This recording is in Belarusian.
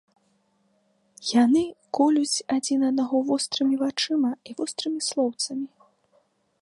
Яны колюць адзін аднаго вострымі вачыма і вострымі слоўцамі.